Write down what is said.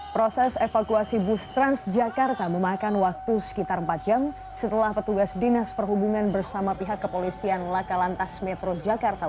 proses evakuasi bus transjakarta memakan waktu sekitar empat jam setelah petugas dinas perhubungan bersama pihak kepolisian laka lantas metro jakarta